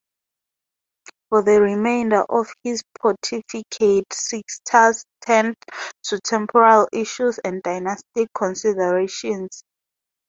For the remainder of his pontificate, Sixtus turned to temporal issues and dynastic considerations.